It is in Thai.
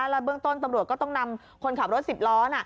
แล้วเบื้องต้นตำรวจก็ต้องนำคนขับรถ๑๐ล้อ